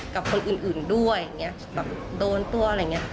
กับคนอื่นด้วยโดนตัวอะไรอย่างนี้